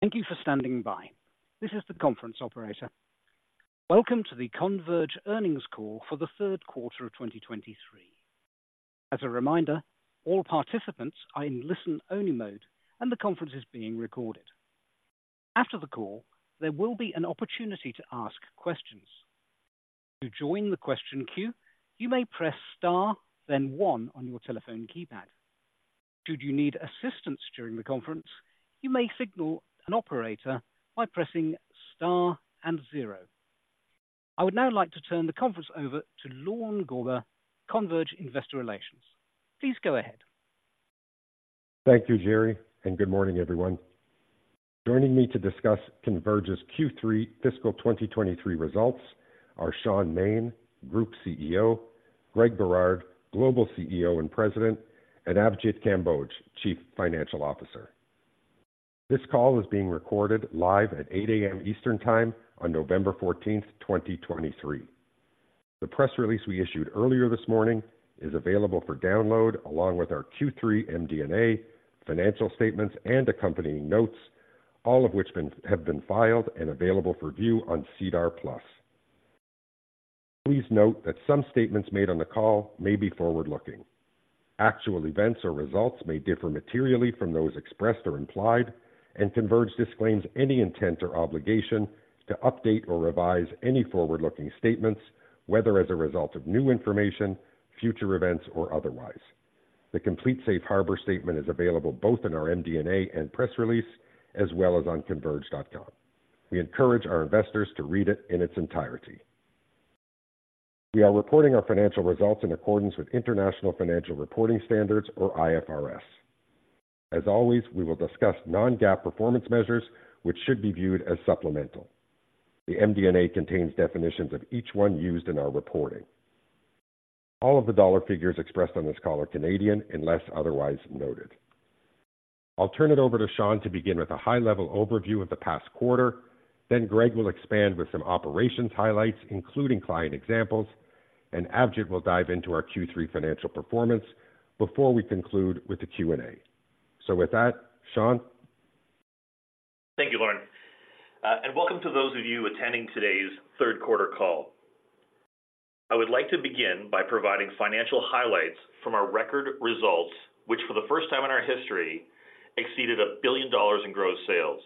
Thank you for standing by. This is the conference operator. Welcome to the Converge Earnings Call for the third quarter of 2023. As a reminder, all participants are in listen-only mode, and the conference is being recorded. After the call, there will be an opportunity to ask questions. To join the question queue, you may press Star, then one on your telephone keypad. Should you need assistance during the conference, you may signal an operator by pressing Star and Zero. I would now like to turn the conference over to Lorne Gorber, Converge Investor Relations. Please go ahead. Thank you, Jerry, and good morning, everyone. Joining me to discuss Converge's Q3 fiscal 2023 results are Shaun Maine, Group CEO, Greg Berard, Global CEO and President, and Avjit Kamboj, Chief Financial Officer. This call is being recorded live at 8:00 AM Eastern Time on November 14, 2023. The press release we issued earlier this morning is available for download, along with our Q3 MD&A, financial statements, and accompanying notes, all of which have been filed and available for view on SEDAR+. Please note that some statements made on the call may be forward-looking. Actual events or results may differ materially from those expressed or implied, and Converge disclaims any intent or obligation to update or revise any forward-looking statements, whether as a result of new information, future events, or otherwise. The complete safe harbor statement is available both in our MD&A and press release, as well as on converge.com. We encourage our investors to read it in its entirety. We are reporting our financial results in accordance with International Financial Reporting Standards, or IFRS. As always, we will discuss non-GAAP performance measures, which should be viewed as supplemental. The MD&A contains definitions of each one used in our reporting. All of the dollar figures expressed on this call are Canadian, unless otherwise noted. I'll turn it over to Shaun to begin with a high-level overview of the past quarter, then Greg will expand with some operations highlights, including client examples, and Avjit will dive into our Q3 financial performance before we conclude with the Q&A. So with that, Shaun? Thank you Lorne, and welcome to those of you attending today's third quarter call. I would like to begin by providing financial highlights from our record results, which for the first time in our history, exceeded 1 billion dollars in gross sales,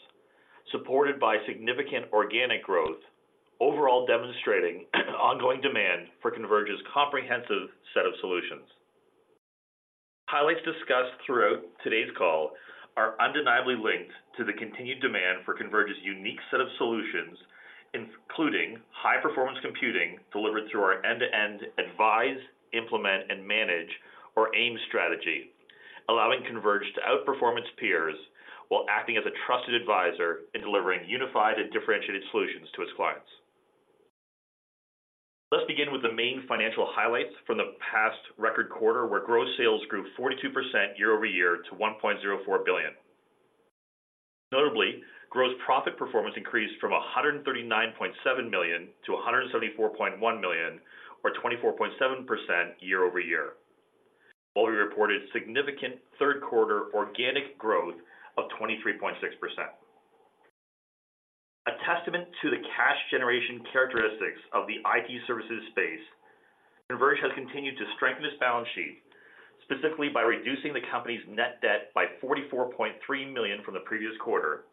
supported by significant organic growth, overall demonstrating ongoing demand for Converge's comprehensive set of solutions. Highlights discussed throughout today's call are undeniably linked to the continued demand for Converge's unique set of solutions, including high-performance computing delivered through our end-to-end Advise, Implement and Manage or AIM strategy, allowing Converge to outperformance peers while acting as a trusted advisor in delivering unified and differentiated solutions to its clients. Let's begin with the main financial highlights from the past record quarter, where gross sales grew 42% year-over-year to 1.04 billion. Notably, gross profit performance increased from 139.7 million - 174.1 million, or 24.7% year-over-year, while we reported significant third quarter organic growth of 23.6%. A testament to the cash generation characteristics of the IT services space, Converge has continued to strengthen its balance sheet, specifically by reducing the company's net debt by 44.3 million from the previous quarter.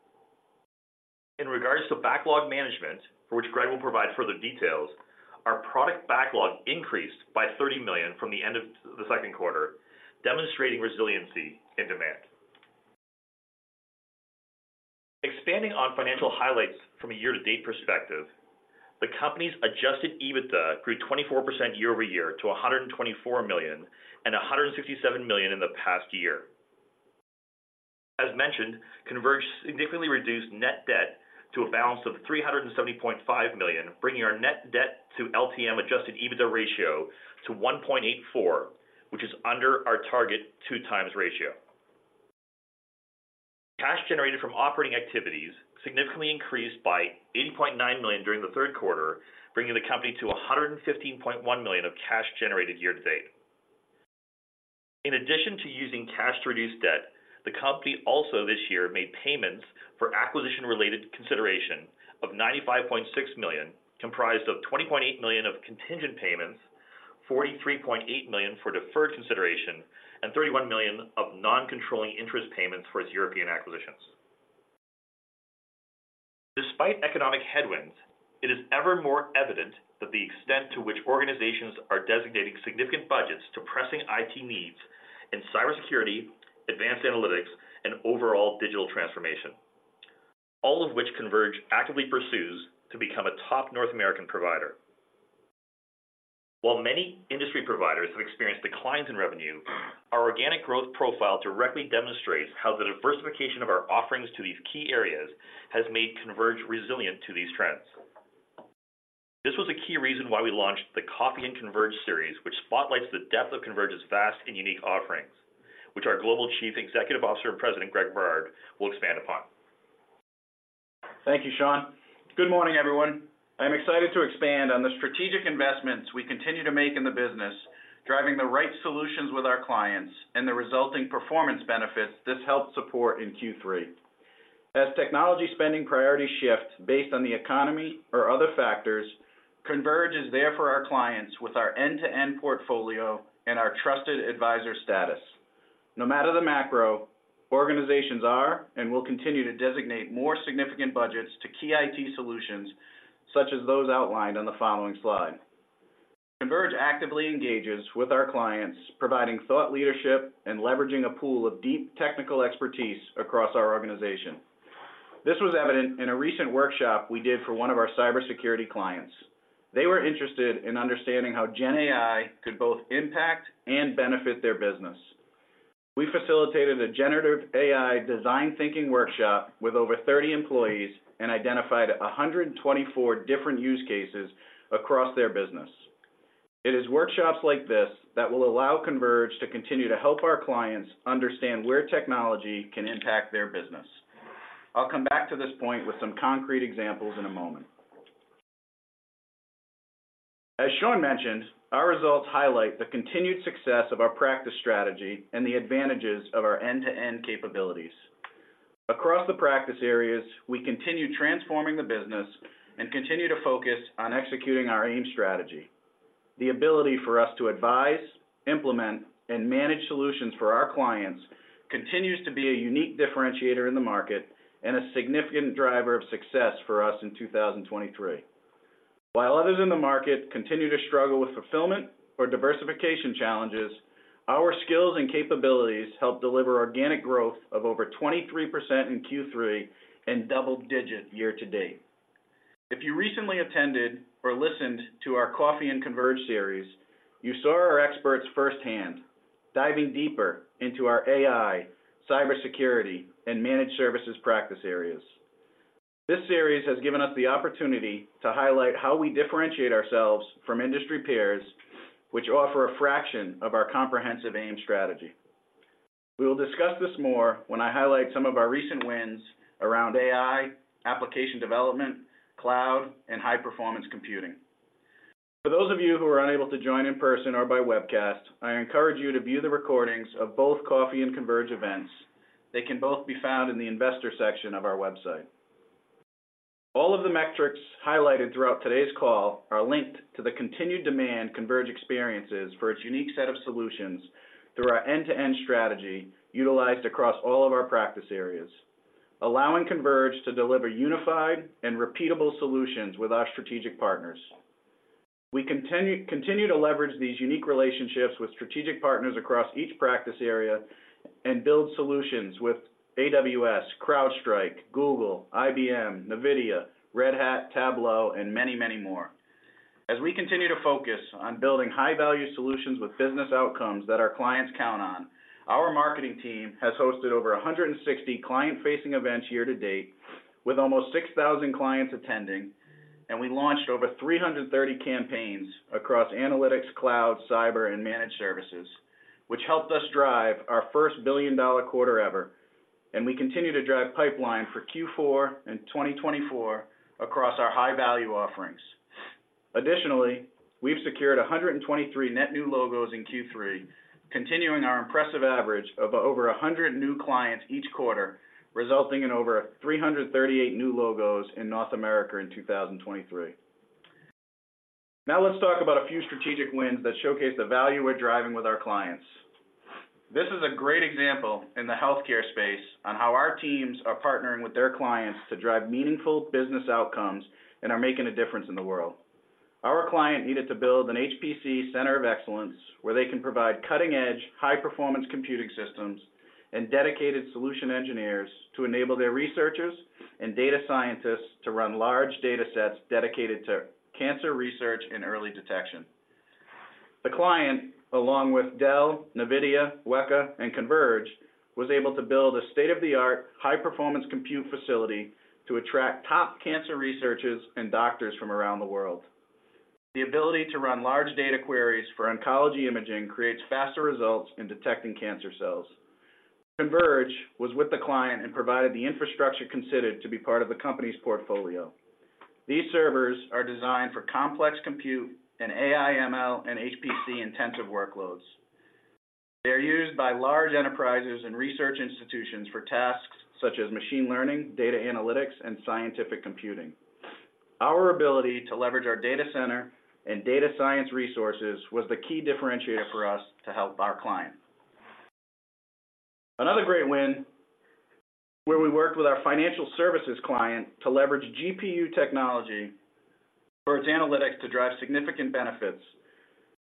In regards to backlog management, for which Greg will provide further details, our product backlog increased by 30 million from the end of the second quarter, demonstrating resiliency and demand. Expanding on financial highlights from a year-to-date perspective, the company's Adjusted EBITDA grew 24% year-over-year to 124 million and 167 million in the past year. As mentioned, Converge significantly reduced net debt to a balance of 370.5 million, bringing our net debt to LTM Adjusted EBITDA ratio to 1.84, which is under our target 2x ratio. Cash generated from operating activities significantly increased by 80.9 million during the third quarter, bringing the company to 115.1 million of cash generated year-to-date. In addition to using cash to reduce debt, the company also this year made payments for acquisition-related consideration of 95.6 million, comprised of 20.8 million of contingent payments, 43.8 million for deferred consideration, and 31 million of non-controlling interest payments for its European acquisitions. Despite economic headwinds, it is ever more evident that the extent to which organizations are designating significant budgets to pressing IT needs in cybersecurity, advanced analytics, and overall digital transformation, all of which Converge actively pursues to become a top North American provider. While many industry providers have experienced declines in revenue, our organic growth profile directly demonstrates how the diversification of our offerings to these key areas has made Converge resilient to these trends. This was a key reason why we launched the Coffee and Converge series, which spotlights the depth of Converge's vast and unique offerings, which our Global Chief Executive Officer and President, Greg Berard, will expand upon. Thank you Shaun. Good morning everyone, I'm excited to expand on the strategic investments we continue to make in the business, driving the right solutions with our clients and the resulting performance benefits this helped support in Q3. As technology spending priority shifts based on the economy or other factors, Converge is there for our clients with our end-to-end portfolio and our trusted advisor status. No matter the macro, organizations are and will continue to designate more significant budgets to key IT solutions, such as those outlined on the following slide. Converge actively engages with our clients, providing thought leadership and leveraging a pool of deep technical expertise across our organization. This was evident in a recent workshop we did for one of our cybersecurity clients. They were interested in understanding how Gen AI could both impact and benefit their business. We facilitated a generative AI design thinking workshop with over 30 employees and identified 124 different use cases across their business. It is workshops like this that will allow Converge to continue to help our clients understand where technology can impact their business. I'll come back to this point with some concrete examples in a moment. As Shaun mentioned, our results highlight the continued success of our practice strategy and the advantages of our end-to-end capabilities. Across the practice areas, we continue transforming the business and continue to focus on executing our AIM strategy. The ability for us to advise, implement, and manage solutions for our clients continues to be a unique differentiator in the market and a significant driver of success for us in 2023. While others in the market continue to struggle with fulfillment or diversification challenges, our skills and capabilities help deliver organic growth of over 23% in Q3 and double-digit year-to-date. If you recently attended or listened to our Coffee and Converge series, you saw our experts firsthand, diving deeper into our AI, cybersecurity, and managed services practice areas. This series has given us the opportunity to highlight how we differentiate ourselves from industry peers, which offer a fraction of our comprehensive AIM strategy. We will discuss this more when I highlight some of our recent wins around AI, application development, cloud, and high-performance computing. For those of you who are unable to join in person or by webcast, I encourage you to view the recordings of both Coffee and Converge events. They can both be found in the investor section of our website. All of the metrics highlighted throughout today's call are linked to the continued demand Converge experiences for its unique set of solutions through our end-to-end strategy, utilized across all of our practice areas, allowing Converge to deliver unified and repeatable solutions with our strategic partners. We continue to leverage these unique relationships with strategic partners across each practice area and build solutions with AWS, CrowdStrike, Google, IBM, NVIDIA, Red Hat, Tableau, and many, many more. As we continue to focus on building high-value solutions with business outcomes that our clients count on, our marketing team has hosted over 160 client-facing events year-to-date, with almost 6,000 clients attending, and we launched over 330 campaigns across analytics, cloud, cyber, and managed services, which helped us drive our first billion-dollar quarter ever, and we continue to drive pipeline for Q4 in 2024 across our high-value offerings. Additionally, we've secured 123 net new logos in Q3, continuing our impressive average of over 100 new clients each quarter, resulting in over 338 new logos in North America in 2023. Now, let's talk about a few strategic wins that showcase the value we're driving with our clients. This is a great example in the healthcare space on how our teams are partnering with their clients to drive meaningful business outcomes and are making a difference in the world. Our client needed to build an HPC Center of Excellence, where they can provide cutting-edge, high-performance computing systems and dedicated solution engineers to enable their researchers and data scientists to run large datasets dedicated to cancer research and early detection. The client, along with Dell, NVIDIA, WEKA, and Converge, was able to build a state-of-the-art, high-performance compute facility to attract top cancer researchers and doctors from around the world. The ability to run large data queries for oncology imaging creates faster results in detecting cancer cells. Converge was with the client and provided the infrastructure considered to be part of the company's portfolio. These servers are designed for complex compute and AI, ML, and HPC-intensive workloads. They are used by large enterprises and research institutions for tasks such as machine learning, data analytics, and scientific computing. Our ability to leverage our data center and data science resources was the key differentiator for us to help our client. Another great win, where we worked with our financial services client to leverage GPU technology for its analytics to drive significant benefits.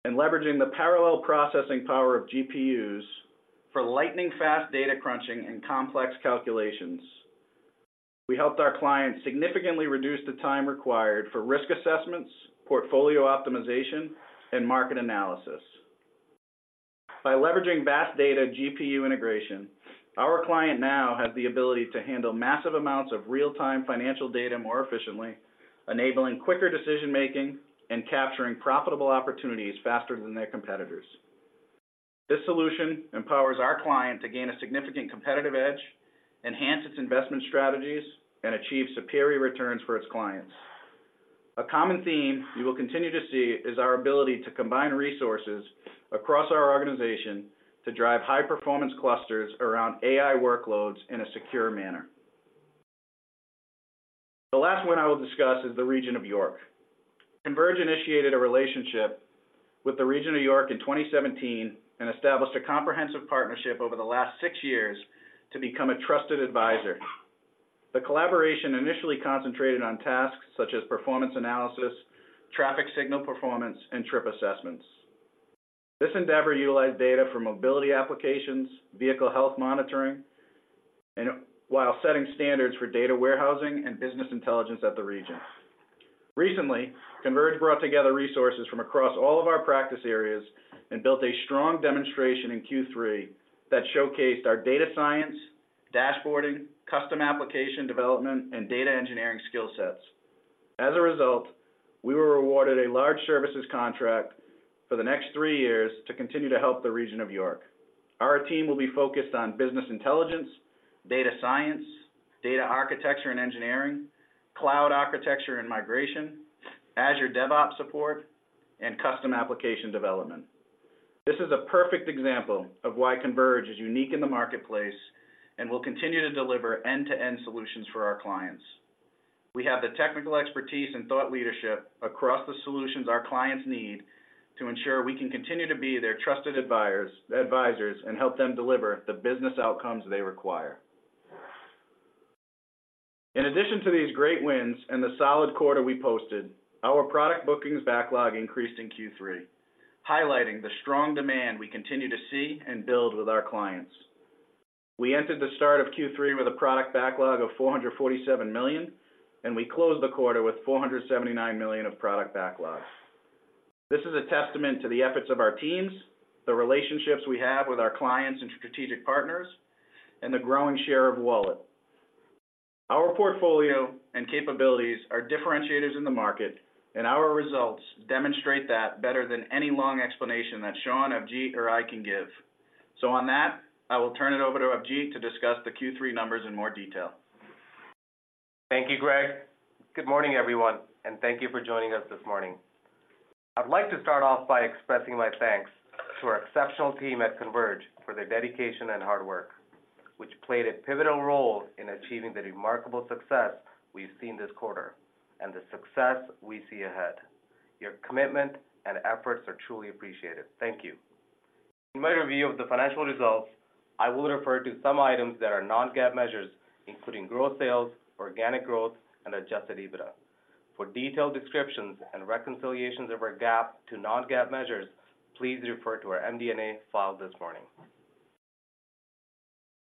In leveraging the parallel processing power of GPUs for lightning-fast data crunching and complex calculations, we helped our clients significantly reduce the time required for risk assessments, portfolio optimization, and market analysis. By leveraging vast data GPU integration, our client now has the ability to handle massive amounts of real-time financial data more efficiently, enabling quicker decision-making and capturing profitable opportunities faster than their competitors. This solution empowers our client to gain a significant competitive edge, enhance its investment strategies, and achieve superior returns for its clients. A common theme you will continue to see is our ability to combine resources across our organization to drive high-performance clusters around AI workloads in a secure manner. The last one I will discuss is the Region of York. Converge initiated a relationship with the Region of York in 2017 and established a comprehensive partnership over the last six years to become a trusted advisor. The collaboration initially concentrated on tasks such as performance analysis, traffic signal performance, and trip assessments. This endeavor utilized data from mobility applications, vehicle health monitoring, and while setting standards for data warehousing and business intelligence at the region. Recently, Converge brought together resources from across all of our practice areas and built a strong demonstration in Q3 that showcased our data science, dashboarding, custom application development, and data engineering skill sets. As a result, we were awarded a large services contract for the next three years to continue to help the Region of York. Our team will be focused on business intelligence, data science, data architecture and engineering, cloud architecture and migration, Azure DevOps support, and custom application development. This is a perfect example of why Converge is unique in the marketplace and will continue to deliver end-to-end solutions for our clients. We have the technical expertise and thought leadership across the solutions our clients need to ensure we can continue to be their trusted advisors, and help them deliver the business outcomes they require. In addition to these great wins and the solid quarter we posted, our product bookings backlog increased in Q3, highlighting the strong demand we continue to see and build with our clients. We entered the start of Q3 with a product backlog of 447 million, and we closed the quarter with 479 million of product backlog. This is a testament to the efforts of our teams, the relationships we have with our clients and strategic partners, and the growing share of wallet. Our portfolio and capabilities are differentiators in the market, and our results demonstrate that better than any long explanation that Shaun, Avjit, or I can give. So on that, I will turn it over to Avjit to discuss the Q3 numbers in more detail. Thank you Greg. Good morning everyone, and thank you for joining us this morning. I'd like to start off by expressing my thanks to our exceptional team at Converge for their dedication and hard work, which played a pivotal role in achieving the remarkable success we've seen this quarter, and the success we see ahead. Your commitment and efforts are truly appreciated. Thank you. In my review of the financial results, I will refer to some items that are non-GAAP measures, including gross sales, organic growth, and adjusted EBITDA. For detailed descriptions and reconciliations of our GAAP to non-GAAP measures, please refer to our MD&A file this morning.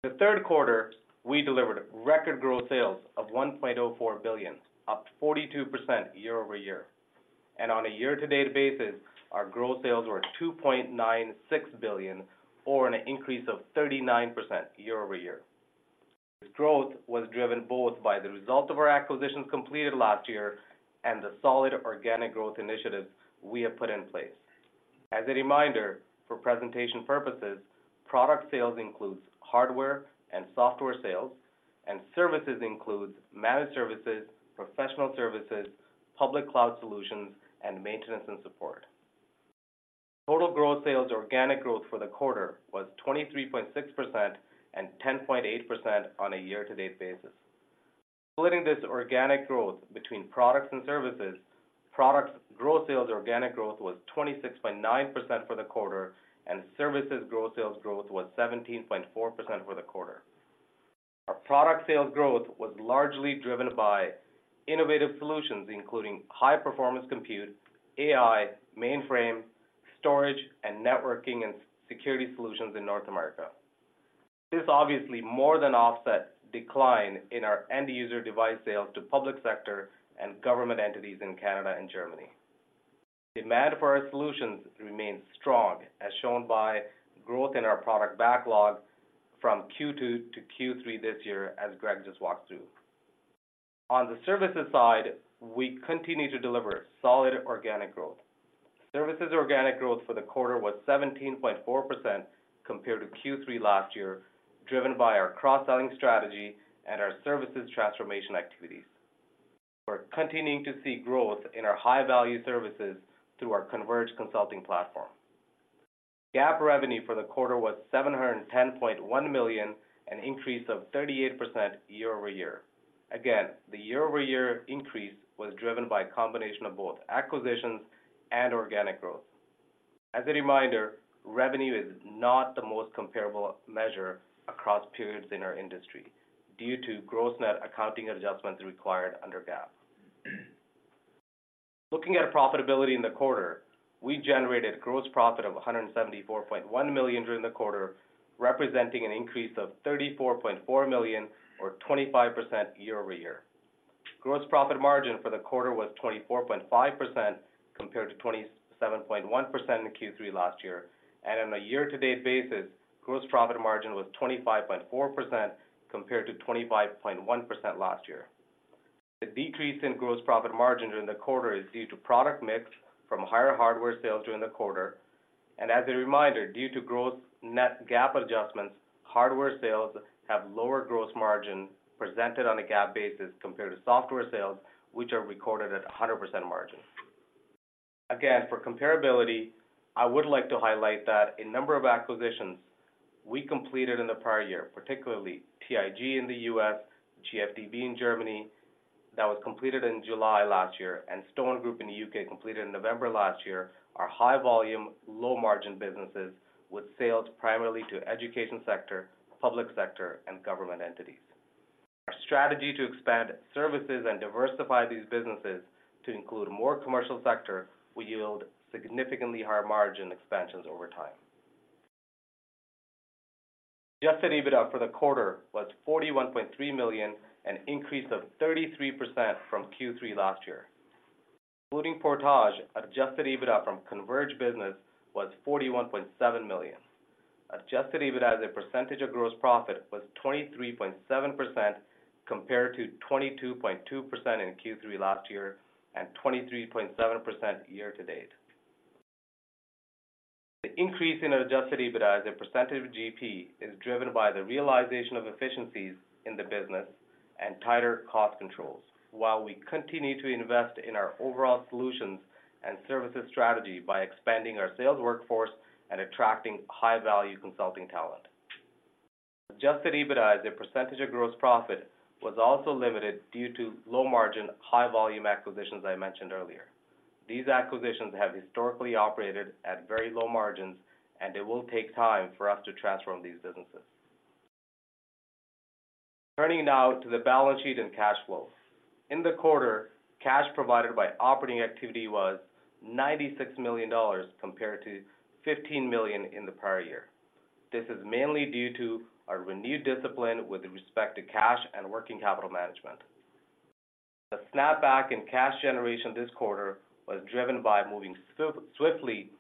The third quarter, we delivered record gross sales of 1.04 billion, up 42% year-over-year. On a year-to-date basis, our gross sales were 2.96 billion, or an increase of 39% year-over-year. This growth was driven both by the result of our acquisitions completed last year and the solid organic growth initiatives we have put in place. As a reminder, for presentation purposes, product sales includes hardware and software sales, and services includes managed services, professional services, public cloud solutions, and maintenance and support. Total gross sales organic growth for the quarter was 23.6% and 10.8% on a year-to-date basis. Splitting this organic growth between products and services, products gross sales organic growth was 26.9% for the quarter, and services gross sales growth was 17.4% for the quarter. Our product sales growth was largely driven by innovative solutions, including high-performance compute, AI, mainframe, storage, and networking and security solutions in North America. This obviously more than offset decline in our end-user device sales to public sector and government entities in Canada and Germany. Demand for our solutions remains strong, as shown by growth in our product backlog from Q2 to Q3 this year, as Greg just walked through. On the services side, we continue to deliver solid organic growth. Services organic growth for the quarter was 17.4% compared to Q3 last year, driven by our cross-selling strategy and our services transformation activities. We're continuing to see growth in our high-value services through our Converge consulting platform. GAAP revenue for the quarter was 710.1 million, an increase of 38% year-over-year. Again, the year-over-year increase was driven by a combination of both acquisitions and organic growth. As a reminder, revenue is not the most comparable measure across periods in our industry due to gross net accounting adjustments required under GAAP. Looking at profitability in the quarter, we generated gross profit of 174.1 million during the quarter, representing an increase of 34.4 million or 25% year-over-year. Gross profit margin for the quarter was 24.5% compared to 27.1% in Q3 last year, and on a year-to-date basis, gross profit margin was 25.4% compared to 25.1% last year. The decrease in gross profit margin during the quarter is due to product mix from higher hardware sales during the quarter. As a reminder, due to gross/net GAAP adjustments, hardware sales have lower gross margin presented on a GAAP basis compared to software sales, which are recorded at a 100% margin. Again, for comparability, I would like to highlight that a number of acquisitions we completed in the prior year, particularly TIG in the U.S., GFDB in Germany, that was completed in July last year, and Stone Group in the U.K., completed in November last year, are high volume, low margin businesses with sales primarily to education sector, public sector, and government entities. Our strategy to expand services and diversify these businesses to include more commercial sector will yield significantly higher margin expansions over time. Adjusted EBITDA for the quarter was 41.3 million, an increase of 33% from Q3 last year. Including Portage, adjusted EBITDA from Converge business was 41.7 million. Adjusted EBITDA as a percentage of gross profit was 23.7%, compared to 22.2% in Q3 last year and 23.7% year-to-date. The increase in adjusted EBITDA as a percentage of GP is driven by the realization of efficiencies in the business and tighter cost controls, while we continue to invest in our overall solutions and services strategy by expanding our sales workforce and attracting high-value consulting talent. Adjusted EBITDA as a percentage of gross profit was also limited due to low margin, high volume acquisitions I mentioned earlier. These acquisitions have historically operated at very low margins, and it will take time for us to transform these businesses. Turning now to the balance sheet and cash flow. In the quarter, cash provided by operating activity was 96 million dollars, compared to 15 million in the prior year. This is mainly due to our renewed discipline with respect to cash and working capital management. The snapback in cash generation this quarter was driven by moving swiftly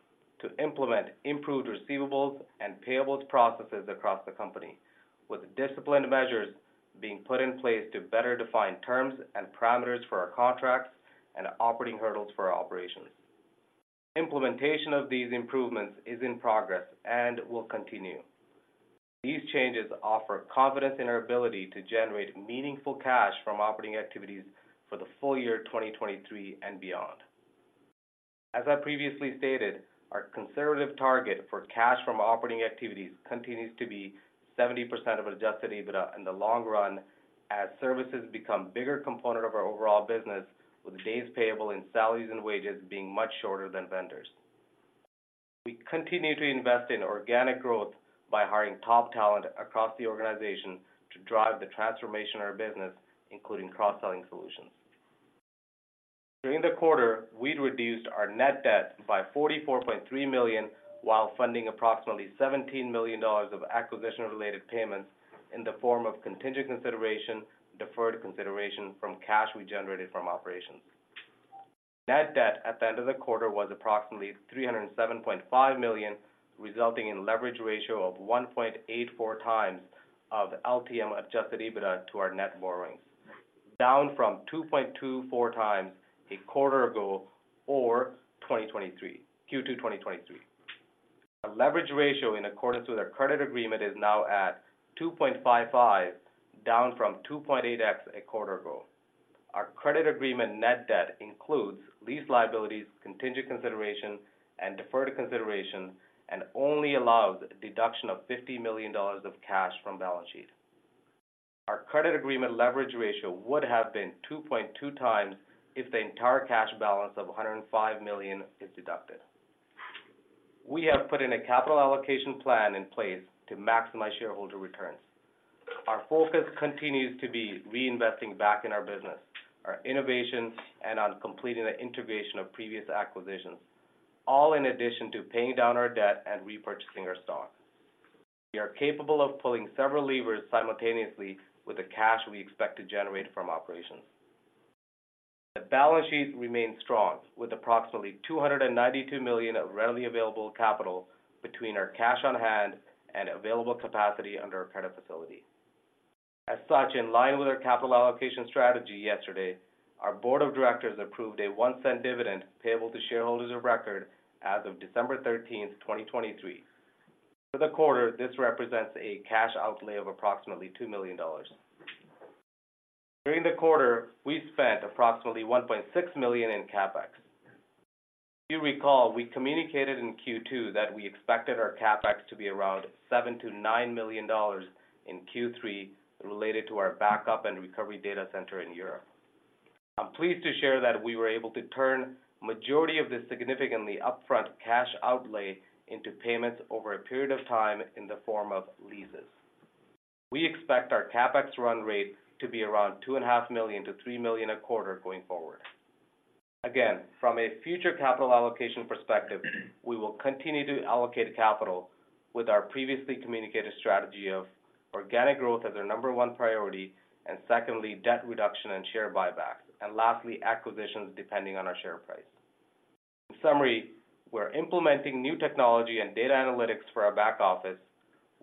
to implement improved receivables and payables processes across the company, with disciplined measures being put in place to better define terms and parameters for our contracts and operating hurdles for our operations. Implementation of these improvements is in progress and will continue. These changes offer confidence in our ability to generate meaningful cash from operating activities for the full year 2023 and beyond. As I previously stated, our conservative target for cash from operating activities continues to be 70% of Adjusted EBITDA in the long run, as services become bigger component of our overall business, with days payable in salaries and wages being much shorter than vendors. We continue to invest in organic growth by hiring top talent across the organization to drive the transformation of our business, including cross-selling solutions. During the quarter, we reduced our net debt by 44.3 million, while funding approximately 17 million dollars of acquisition-related payments in the form of contingent consideration, deferred consideration from cash we generated from operations. Net debt at the end of the quarter was approximately 307.5 million, resulting in leverage ratio of 1.84 times of the LTM Adjusted EBITDA to our net borrowings, down from 2.24 times a quarter ago or 2023, Q2 2023. Our leverage ratio, in accordance with our credit agreement, is now at 2.55, down from 2.8x a quarter ago. Our credit agreement net debt includes lease liabilities, contingent consideration, and deferred consideration, and only allows a deduction of 50 million dollars of cash from balance sheet. Our credit agreement leverage ratio would have been 2.2 times if the entire cash balance of 105 million is deducted. We have put in a capital allocation plan in place to maximize shareholder returns. Our focus continues to be reinvesting back in our business, our innovations, and on completing the integration of previous acquisitions, all in addition to paying down our debt and repurchasing our stock. We are capable of pulling several levers simultaneously with the cash we expect to generate from operations. The balance sheet remains strong, with approximately 292 million of readily available capital between our cash on hand and available capacity under our credit facility. As such, in line with our capital allocation strategy yesterday, our board of directors approved a CAD 0.01 dividend payable to shareholders of record as of December 13, 2023. For the quarter, this represents a cash outlay of approximately 2 million dollars. During the quarter, we spent approximately 1.6 million in CapEx. If you recall, we communicated in Q2 that we expected our CapEx to be around 7 million - 9 million dollars in Q3, related to our backup and recovery data center in Europe. I'm pleased to share that we were able to turn majority of this significantly upfront cash outlay into payments over a period of time in the form of leases. We expect our CapEx run rate to be around 2.5 million - 3 million a quarter going forward. Again, from a future capital allocation perspective, we will continue to allocate capital with our previously communicated strategy of organic growth as our number one priority, and secondly, debt reduction and share buybacks, and lastly, acquisitions, depending on our share price. In summary, we're implementing new technology and data analytics for our back office.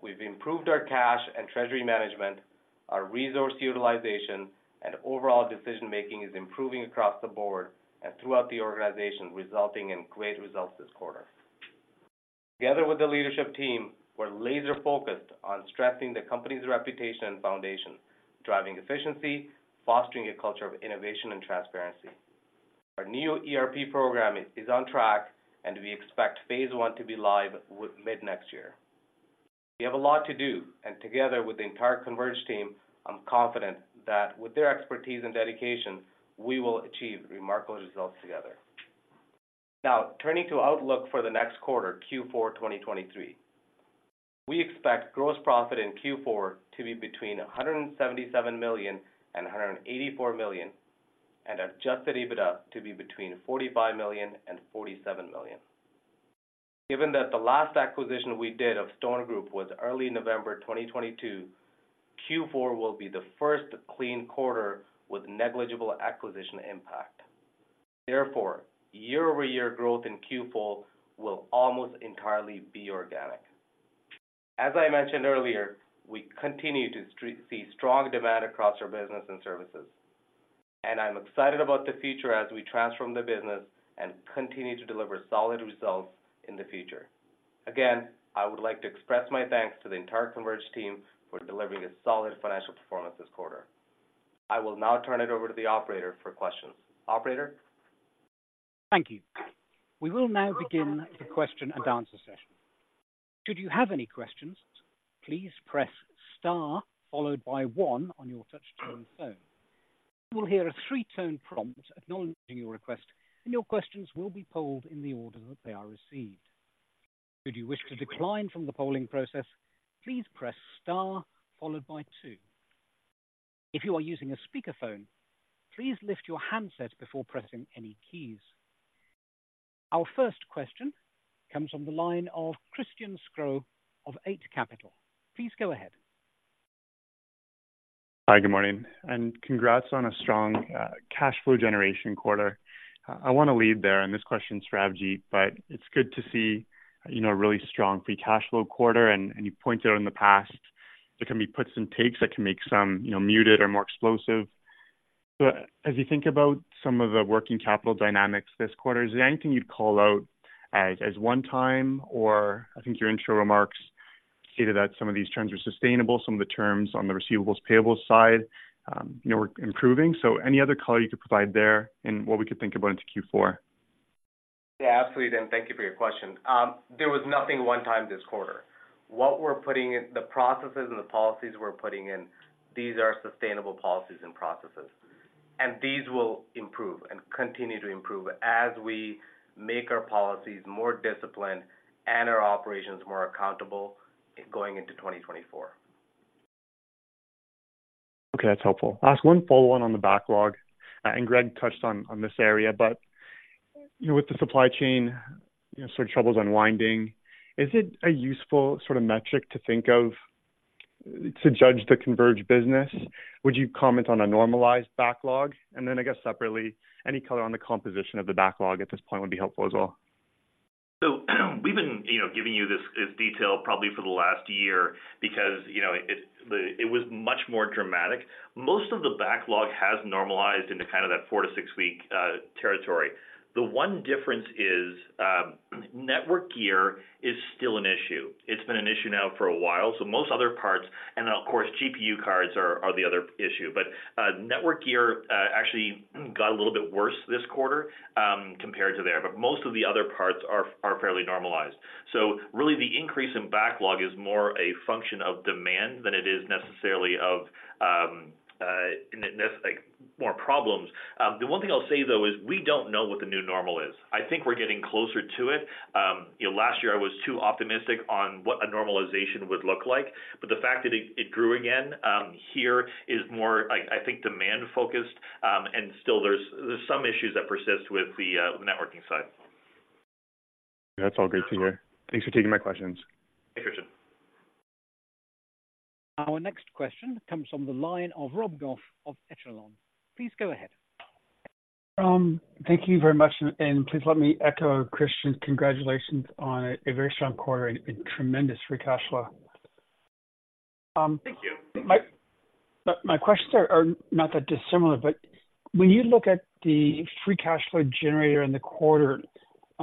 We've improved our cash and treasury management, our resource utilization, and overall decision-making is improving across the board and throughout the organization, resulting in great results this quarter. Together with the leadership team, we're laser-focused on strengthening the company's reputation and foundation, driving efficiency, fostering a culture of innovation and transparency. Our new ERP program is on track, and we expect phase I to be live with mid next year. We have a lot to do, and together with the entire Converge team, I'm confident that with their expertise and dedication, we will achieve remarkable results together. Now, turning to outlook for the next quarter, Q4, 2023. We expect gross profit in Q4 to be between 177 million and 184 million, and adjusted EBITDA to be between 45 million and 47 million. Given that the last acquisition we did of Stone Group was early November 2022, Q4 will be the first clean quarter with negligible acquisition impact. Therefore, year-over-year growth in Q4 will almost entirely be organic. As I mentioned earlier, we continue to see strong demand across our business and services, and I'm excited about the future as we transform the business and continue to deliver solid results in the future. Again, I would like to express my thanks to the entire Converge team for delivering a solid financial performance this quarter. I will now turn it over to the operator for questions. Operator? Thank you. We will now begin the question and answer session. Should you have any questions, please press star followed by one on your touchtone phone. You will hear a three-tone prompt acknowledging your request, and your questions will be polled in the order that they are received. Should you wish to decline from the polling process, please press star followed by two. If you are using a speakerphone, please lift your handset before pressing any keys. Our first question comes on the line of Christian Sgro of Eight Capital. Please go ahead. Hi, good morning, and congrats on a strong cash flow generation quarter. I wanna lead there, and this question is for Avjit, but it's good to see, you know, a really strong free cash flow quarter, and you pointed out in the past, there can be puts and takes that can make some, you know, muted or more explosive. But as you think about some of the working capital dynamics this quarter, is there anything you'd call out as one time, or I think your intro remarks stated that some of these terms are sustainable, some of the terms on the receivables/payables side, you know, were improving. So any other color you could provide there and what we could think about into Q4? Yeah, absolutely, and thank you for your question. There was nothing one-time this quarter. What we're putting in, the processes and the policies we're putting in, these are sustainable policies and processes, and these will improve and continue to improve as we make our policies more disciplined and our operations more accountable going into 2024. Okay, that's helpful. I'll ask one follow-on on the backlog, and Greg touched on this area, but, you know, with the supply chain, you know, sort of troubles unwinding, is it a useful sort of metric to think of to judge the Converge business? Would you comment on a normalized backlog? And then I guess separately, any color on the composition of the backlog at this point would be helpful as well. So we've been, you know, giving you this detail probably for the last year because, you know, it was much more dramatic. Most of the backlog has normalized into kind of that four to six week territory. The one difference is network gear is still an issue. It's been an issue now for a while, so most other parts, and then, of course, GPU cards are the other issue. But network gear actually got a little bit worse this quarter compared to there, but most of the other parts are fairly normalized. So really, the increase in backlog is more a function of demand than it is necessarily of, like, more problems. The one thing I'll say, though, is we don't know what the new normal is. I think we're getting closer to it. You know, last year I was too optimistic on what a normalization would look like, but the fact that it grew again here is more, I think, demand-focused, and still there's some issues that persist with the networking side. That's all great to hear. Thanks for taking my questions. Thanks, Christian. Our next question comes from the line of Rob Goff of Echelon. Please go ahead. Thank you very much, and please let me echo Christian's congratulations on a very strong quarter and a tremendous free cash flow. Thank you. My questions are not that dissimilar, but when you look at the free cash flow generator in the quarter,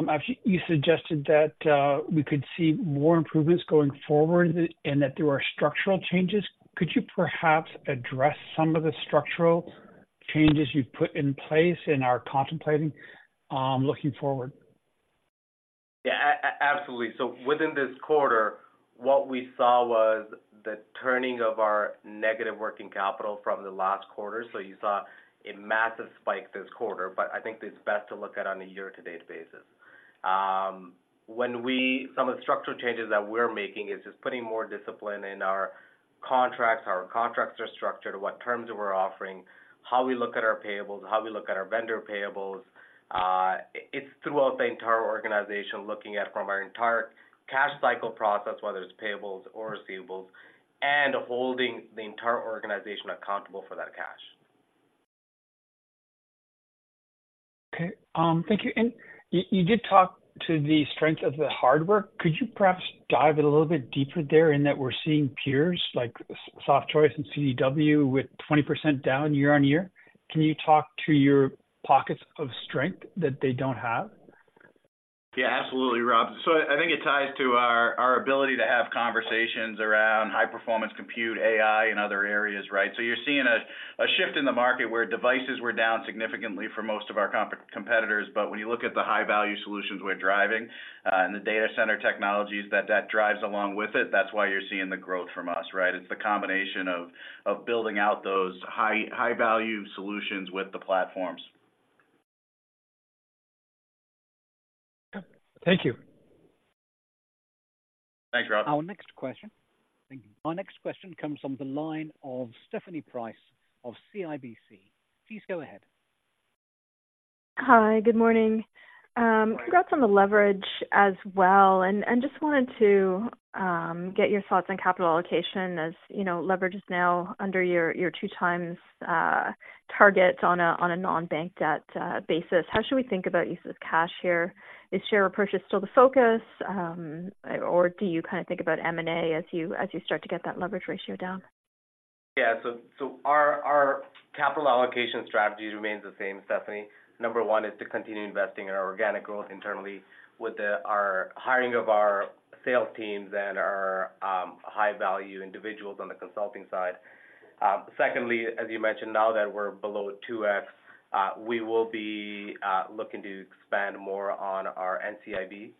actually you suggested that we could see more improvements going forward and that there are structural changes. Could you perhaps address some of the structural changes you've put in place and are contemplating, looking forward? Yeah, absolutely. So within this quarter, what we saw was the turning of our negative working capital from the last quarter. So you saw a massive spike this quarter, but I think it's best to look at on a year-to-date basis. Some of the structural changes that we're making is just putting more discipline in our contracts, how our contracts are structured, what terms we're offering, how we look at our payables, how we look at our vendor payables. It's throughout the entire organization, looking at from our entire cash cycle process, whether it's payables or receivables, and holding the entire organization accountable for that cash. Okay, thank you. And you did talk to the strength of the hardware. Could you perhaps dive a little bit deeper there, in that we're seeing peers like Softchoice and CDW with 20% down year-over-year? Can you talk to your pockets of strength that they don't have? Yeah, absolutely, Rob. So I think it ties to our ability to have conversations around high-performance compute, AI, and other areas, right? So you're seeing a shift in the market where devices were down significantly for most of our competitors, but when you look at the high-value solutions we're driving, and the data center technologies that drives along with it, that's why you're seeing the growth from us, right? It's the combination of building out those high-value solutions with the platforms. Okay. Thank you. Thanks, Rob. Our next question... Thank you. Our next question comes from the line of Stephanie Price of CIBC. Please go ahead. Hi, good morning. Good morning. Congrats on the leverage as well, and just wanted to get your thoughts on capital allocation. As you know, leverage is now under your 2x target on a non-bank debt basis. How should we think about use of cash here? Is share repurchase still the focus? Or do you kind of think about M&A as you start to get that leverage ratio down? Yeah. So our capital allocation strategy remains the same, Stephanie. Number one is to continue investing in our organic growth internally with our hiring of our sales teams and our high-value individuals on the consulting side. Secondly, as you mentioned, now that we're below 2x, we will be looking to expand more on our NCIB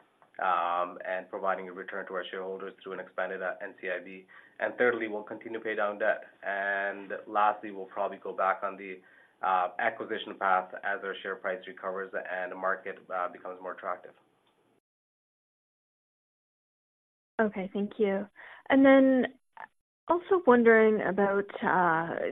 and providing a return to our shareholders through an expanded NCIB. And thirdly, we'll continue to pay down debt. And lastly, we'll probably go back on the acquisition path as our share price recovers and the market becomes more attractive. Okay, thank you. And then also wondering about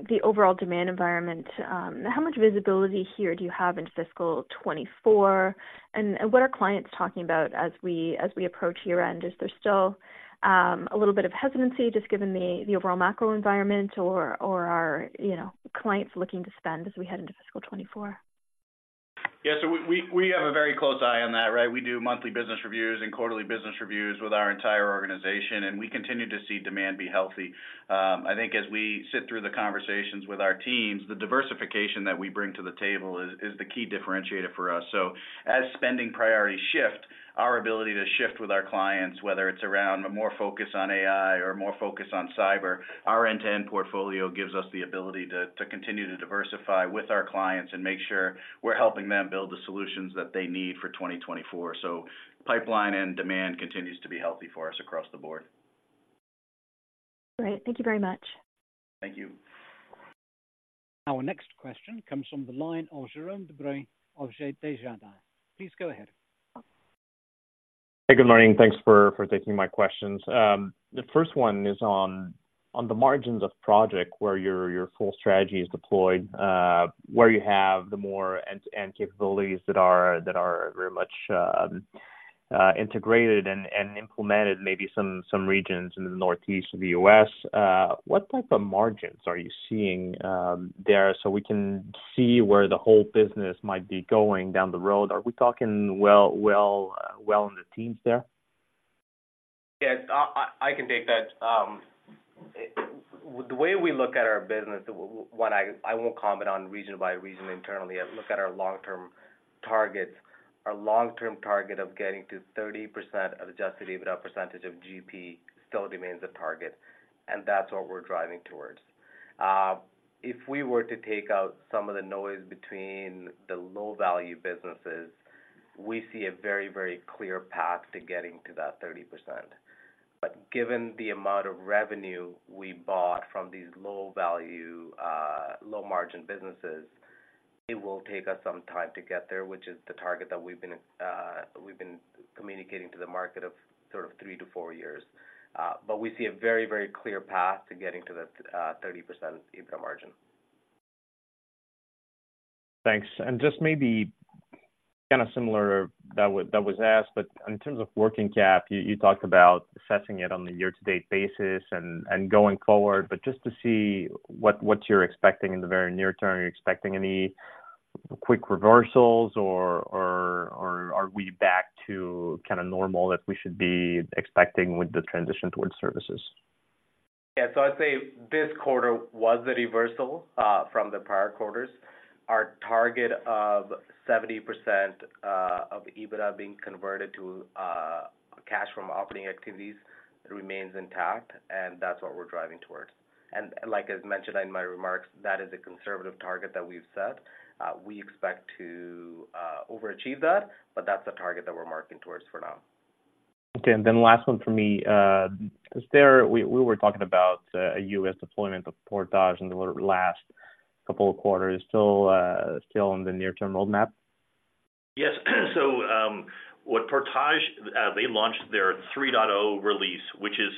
the overall demand environment. How much visibility here do you have into fiscal 2024, and what are clients talking about as we approach year-end? Is there still a little bit of hesitancy, just given the overall macro environment or are, you know, clients looking to spend as we head into fiscal 2024? Yeah. So we have a very close eye on that, right? We do monthly business reviews and quarterly business reviews with our entire organization, and we continue to see demand be healthy. I think as we sit through the conversations with our teams, the diversification that we bring to the table is the key differentiator for us. So as spending priorities shift, our ability to shift with our clients, whether it's around more focus on AI or more focus on cyber, our end-to-end portfolio gives us the ability to continue to diversify with our clients and make sure we're helping them build the solutions that they need for 2024. So pipeline and demand continues to be healthy for us across the board. Great. Thank you very much. Thank you. Our next question comes from the line of Jérôme Dubreuil of Desjardins. Please go ahead. Hey, good morning. Thanks for taking my questions. The first one is on the margins of project, where your full strategy is deployed, where you have the more end-to-end capabilities that are very much integrated and implemented, maybe some regions in the northeast of the U.S. What type of margins are you seeing there, so we can see where the whole business might be going down the road? Are we talking well into the teens there? Yes, I can take that. The way we look at our business, when I, I won't comment on region by region internally. I look at our long-term targets. Our long-term target of getting to 30% of Adjusted EBITDA percentage of GP still remains a target, and that's what we're driving towards. If we were to take out some of the noise between the low-value businesses, we see a very, very clear path to getting to that 30%. But given the amount of revenue we bought from these low-value, low-margin businesses, it will take us some time to get there, which is the target that we've been, we've been communicating to the market of sort of three to four years. But we see a very, very clear path to getting to the 30% EBITDA margin. Thanks. Just maybe kind of similar that was asked, but in terms of working cap, you talked about assessing it on a year-to-date basis and going forward. But just to see what you're expecting in the very near term, are you expecting any quick reversals or are we back to kind of normal that we should be expecting with the transition towards services? Yeah. So I'd say this quarter was a reversal from the prior quarters. Our target of 70% of EBITDA being converted to cash from operating activities remains intact, and that's what we're driving towards. And like as mentioned in my remarks, that is a conservative target that we've set. We expect to overachieve that, but that's the target that we're marking towards for now. Okay, and then last one for me. We were talking about a US deployment of Portage in the last couple of quarters. Still on the near-term roadmap? Yes. So, what Portage, they launched their 3.0 release, which is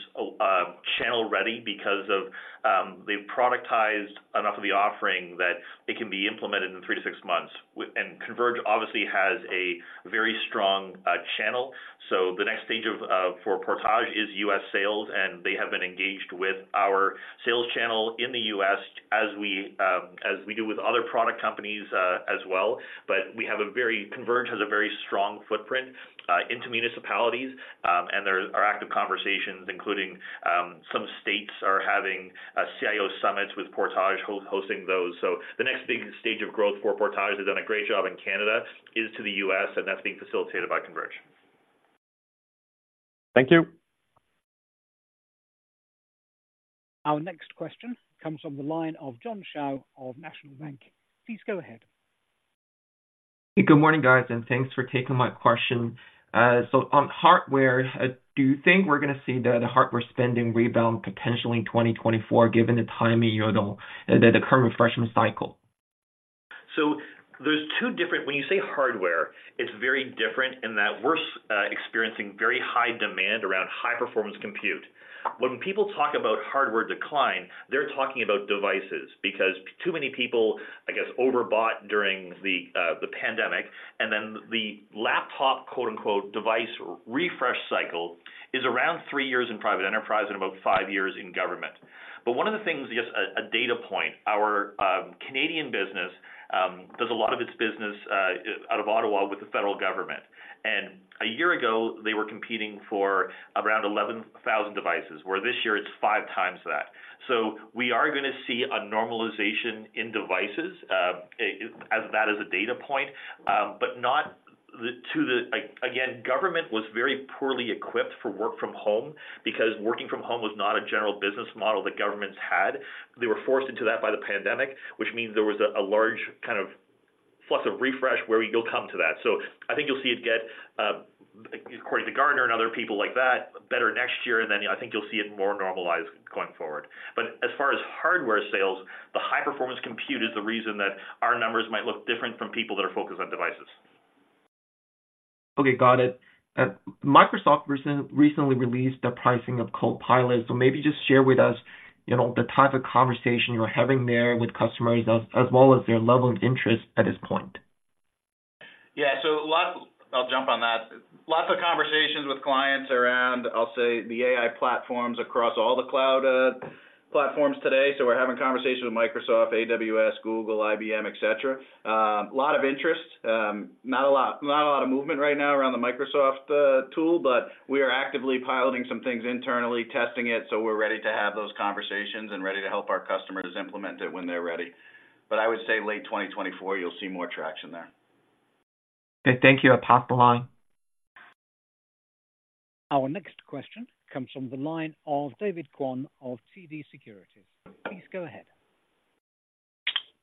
channel ready because of, they've productized enough of the offering that it can be implemented in three to six months. And Converge obviously has a very strong channel. So the next stage of for Portage is U.S. sales, and they have been engaged with our sales channel in the U.S. as we as we do with other product companies as well. But we have a very- Converge has a very strong footprint into municipalities. And there are active conversations, including some states are having a CIO summit with Portage hosting those. So the next big stage of growth for Portage, they've done a great job in Canada, is to the U.S., and that's being facilitated by Converge. Thank you. Our next question comes from the line of John Shao of National Bank. Please go ahead. Good morning, guys, and thanks for taking my question. So on hardware, do you think we're gonna see the hardware spending rebound potentially in 2024, given the timing year of the current refreshment cycle? So there's two different. When you say hardware, it's very different in that we're experiencing very high demand around high-performance compute. When people talk about hardware decline, they're talking about devices. Because too many people, I guess, overbought during the pandemic, and then the laptop, quote-unquote, "device refresh cycle," is around three years in private enterprise and about five years in government. But one of the things, just a data point, our Canadian business does a lot of its business out of Ottawa with the federal government, and a year ago, they were competing for around 11,000 devices, where this year it's five times that. So we are gonna see a normalization in devices, as that is a data point, but not the. Again, government was very poorly equipped for work from home because working from home was not a general business model that governments had. They were forced into that by the pandemic, which means there was a large kind of flux of refresh where you'll come to that. So I think you'll see it get according to Gartner and other people like that, better next year, and then I think you'll see it more normalized going forward. But as far as hardware sales, the high-performance compute is the reason that our numbers might look different from people that are focused on devices. Okay, got it. Microsoft recently released the pricing of Copilot, so maybe just share with us, you know, the type of conversation you're having there with customers, as well as their level of interest at this point. Yeah, so lots. I'll jump on that. Lots of conversations with clients around, I'll say, the AI platforms across all the cloud platforms today. So we're having conversations with Microsoft, AWS, Google, IBM, et cetera. A lot of interest, not a lot, not a lot of movement right now around the Microsoft tool, but we are actively piloting some things internally, testing it, so we're ready to have those conversations and ready to help our customers implement it when they're ready. But I would say late 2024, you'll see more traction there. Okay. Thank you. I pass the line. Our next question comes from the line of David Kwan of TD Securities. Please go ahead.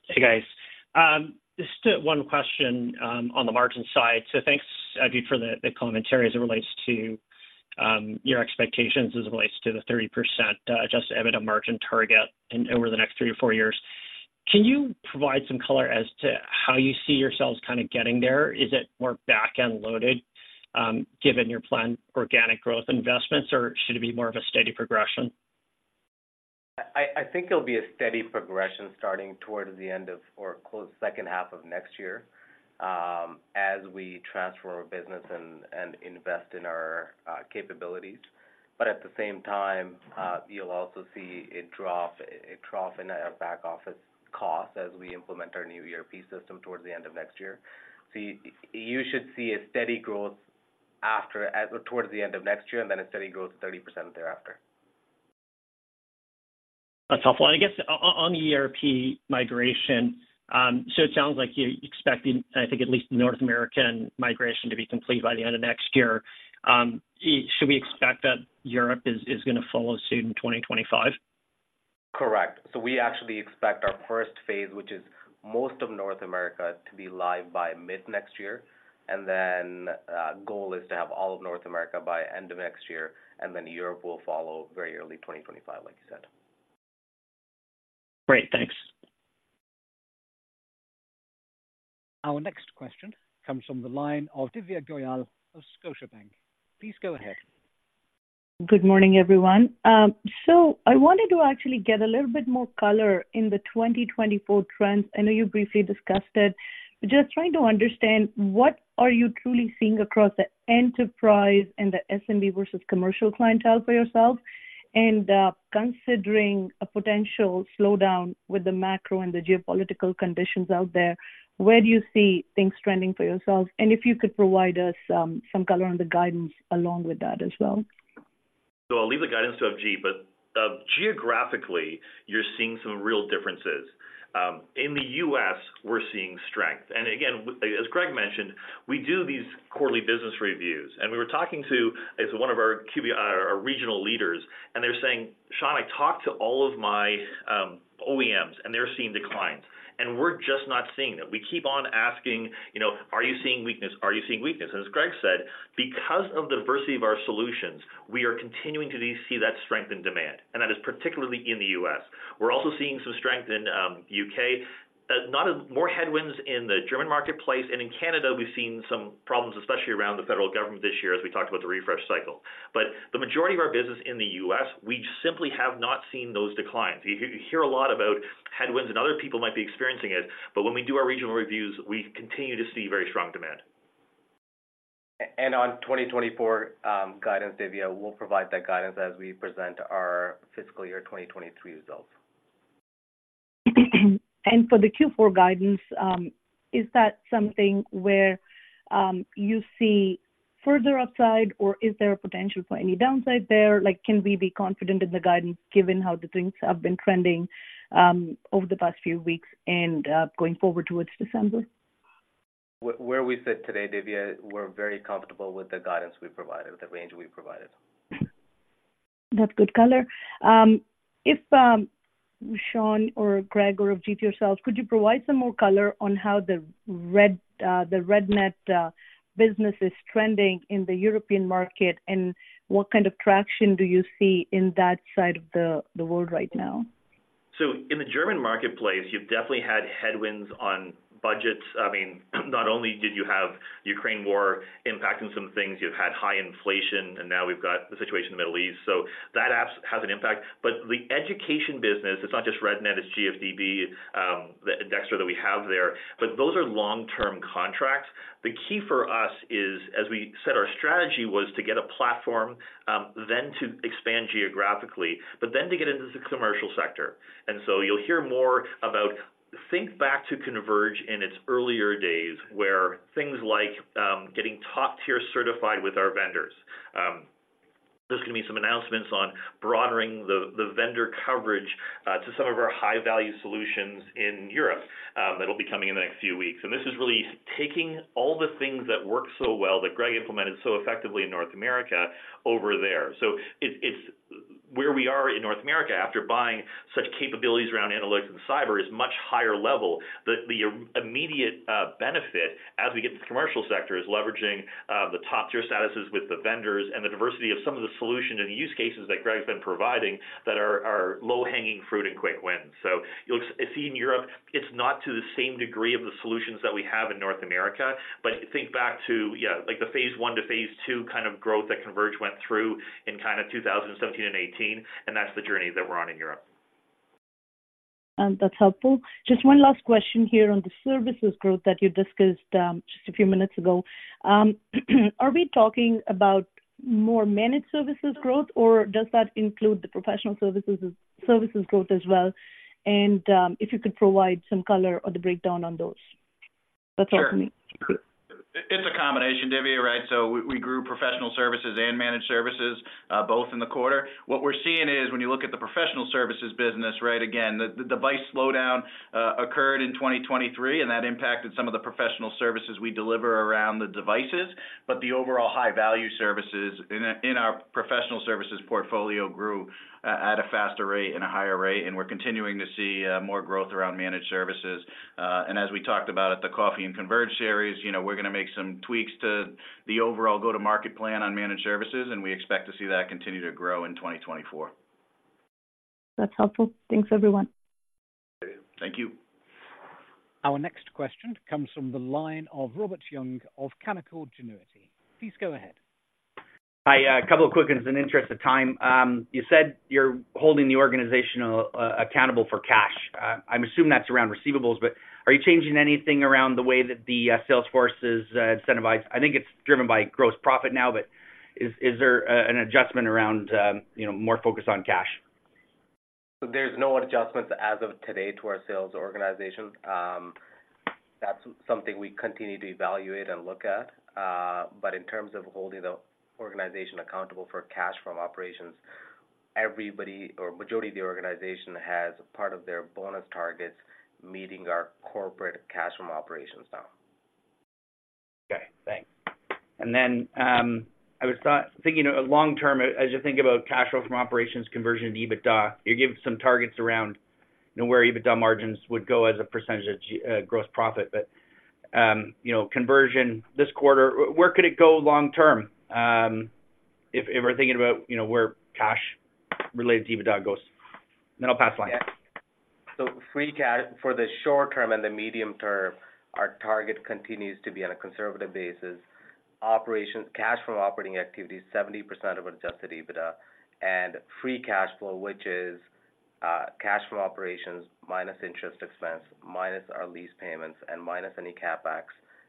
Hey, guys. Just one question, on the margin side. So thanks, Avjit, for the, the commentary as it relates to your expectations as it relates to the 30%, adjusted EBITDA margin target in, over the next three or four years. Can you provide some color as to how you see yourselves kind of getting there? Is it more back-end loaded, given your planned organic growth investments, or should it be more of a steady progression? I think it'll be a steady progression starting towards the end of or close to the second half of next year, as we transfer our business and, and invest in our, capabilities. But at the same time, you'll also see a drop, a trough in our back-office costs as we implement our new ERP system towards the end of next year. So you should see a steady growth after, towards the end of next year, and then a steady growth of 30% thereafter. That's helpful. And I guess on the ERP migration, so it sounds like you're expecting, I think, at least North American migration to be complete by the end of next year. Should we expect that Europe is gonna follow soon in 2025? Correct. So we actually expect our first phase, which is most of North America, to be live by mid-next year, and then, goal is to have all of North America by end of next year, and then Europe will follow very early 2025, like you said. Great, thanks. Our next question comes from the line of Divya Goyal of Scotiabank. Please go ahead. Good morning, everyone. So I wanted to actually get a little bit more color in the 2024 trends. I know you briefly discussed it, but just trying to understand, what are you truly seeing across the enterprise and the SMB versus commercial clientele for yourself? And, considering a potential slowdown with the macro and the geopolitical conditions out there, where do you see things trending for yourselves? And if you could provide us, some color on the guidance along with that as well. So I'll leave the guidance to Avjit, but, geographically, you're seeing some real differences. In the U.S., we're seeing strength. Again, as Greg mentioned, we do these quarterly business reviews, and we were talking to, it's one of our QBR, our regional leaders, and they're saying, "Shaun, I talked to all of my OEMs, and they're seeing declines, and we're just not seeing them." We keep on asking, you know, "Are you seeing weakness? Are you seeing weakness?" And as Greg said, because of the diversity of our solutions, we are continuing to see that strength in demand, and that is particularly in the U.S. We're also seeing some strength in U.K. Not as, more headwinds in the German marketplace, and in Canada, we've seen some problems, especially around the federal government this year, as we talked about the refresh cycle. But the majority of our business in the U.S., we simply have not seen those declines. You hear a lot about headwinds and other people might be experiencing it, but when we do our regional reviews, we continue to see very strong demand. And on 2024 guidance, Divya, we'll provide that guidance as we present our fiscal year 2023 results. For the Q4 guidance, is that something where you see further upside, or is there a potential for any downside there? Like, can we be confident in the guidance, given how the things have been trending over the past few weeks and going forward towards December? Where we sit today, Divya, we're very comfortable with the guidance we provided, the range we provided. That's good color. If Shaun or Greg or Avjit yourselves could you provide some more color on how the REDNET business is trending in the European market? And what kind of traction do you see in that side of the world right now? So in the German marketplace, you've definitely had headwinds on budgets. I mean, not only did you have Ukraine war impacting some things, you've had high inflation, and now we've got the situation in the Middle East. So that has an impact. But the education business, it's not just REDNET, it's GFDB, the DEQSTER that we have there, but those are long-term contracts. The key for us is, as we said, our strategy was to get a platform, then to expand geographically, but then to get into the commercial sector. And so you'll hear more about, think back to Converge in its earlier days, where things like, getting top-tier certified with our vendors. There's going to be some announcements on broadening the vendor coverage, to some of our high-value solutions in Europe, that'll be coming in the next few weeks. This is really taking all the things that work so well, that Greg implemented so effectively in North America over there. So it's where we are in North America, after buying such capabilities around analytics and cyber, is much higher level. The, the immediate, benefit as we get to the commercial sector is leveraging, the top-tier statuses with the vendors and the diversity of some of the solution and use cases that Greg has been providing that are, are low-hanging fruit and quick wins. So you'll see in Europe, it's not to the same degree of the solutions that we have in North America, but think back to, yeah, like the phase I to phase II kind of growth that Converge went through in kind of 2017 and 2018, and that's the journey that we're on in Europe. That's helpful. Just one last question here on the services growth that you discussed, just a few minutes ago. Are we talking about more managed services growth, or does that include the professional services, services growth as well? And, if you could provide some color or the breakdown on those. That's all for me. Sure. It's a combination, Divya, right? So we grew professional services and managed services both in the quarter. What we're seeing is when you look at the professional services business, right, again, the device slowdown occurred in 2023, and that impacted some of the professional services we deliver around the devices. But the overall high-value services in our professional services portfolio grew at a faster rate and a higher rate, and we're continuing to see more growth around managed services. And as we talked about at the Coffee and Converge series, you know, we're gonna make some tweaks to the overall go-to-market plan on managed services, and we expect to see that continue to grow in 2024. That's helpful. Thanks, everyone. Thank you. Our next question comes from the line of Robert Young of Canaccord Genuity. Please go ahead. Hi, a couple of quick ones in the interest of time. You said you're holding the organization accountable for cash. I'm assuming that's around receivables, but are you changing anything around the way that the sales force is incentivized? I think it's driven by gross profit now, but is there an adjustment around, you know, more focused on cash? There's no adjustments as of today to our sales organization. That's something we continue to evaluate and look at. But in terms of holding the organization accountable for cash from operations, everybody or majority of the organization has part of their bonus targets, meeting our corporate cash from operations now. Okay, thanks. And then, I was thinking, long term, as you think about cash flow from operations conversion to EBITDA, you give some targets around, you know, where EBITDA margins would go as a percentage of, gross profit. But, you know, conversion this quarter, where could it go long term? If, if we're thinking about, you know, where cash related to EBITDA goes, then I'll pass line. So free cash for the short term and the medium term, our target continues to be on a conservative basis. Cash from operations, cash from operating activity, 70% of Adjusted EBITDA and free cash flow, which is cash from operations, minus interest expense, minus our lease payments and minus any CapEx,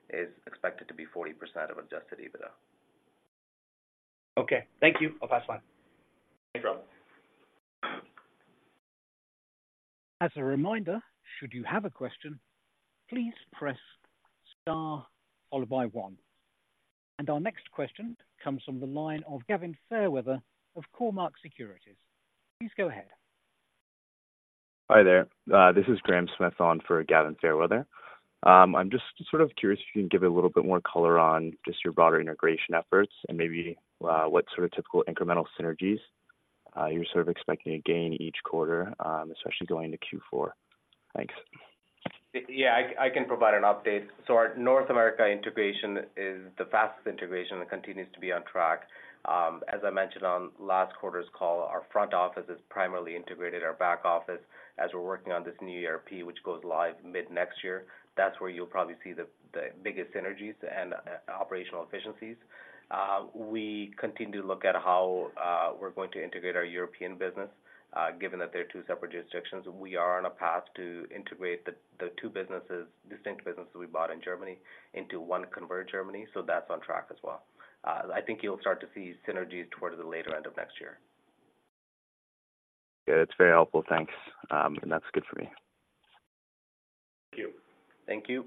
is expected to be 40% of Adjusted EBITDA. Okay, thank you. I'll pass line. No problem. As a reminder, should you have a question, please press star followed by one. Our next question comes from the line of Gavin Fairweather of Cormark Securities. Please go ahead. Hi there. This is Graham Smith on for Gavin Fairweather. I'm just sort of curious if you can give a little bit more color on just your broader integration efforts and maybe, what sort of typical incremental synergies, you're sort of expecting to gain each quarter, especially going to Q4. Thanks. Yeah, I can provide an update. So our North America integration is the fastest integration and continues to be on track. As I mentioned on last quarter's call, our front office is primarily integrated, our back office, as we're working on this new ERP, which goes live mid-next year. That's where you'll probably see the biggest synergies and operational efficiencies. We continue to look at how we're going to integrate our European business, given that they're two separate jurisdictions. We are on a path to integrate the two businesses, distinct businesses we bought in Germany, into one Converge Germany, so that's on track as well. I think you'll start to see synergies towards the later end of next year. Yeah, it's very helpful. Thanks. That's good for me. Thank you. Thank you.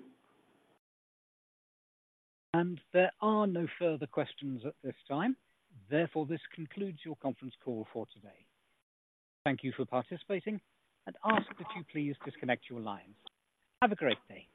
There are no further questions at this time. Therefore, this concludes your conference call for today. Thank you for participating and ask that you please disconnect your lines. Have a great day.